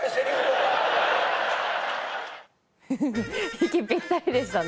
息ぴったりでした。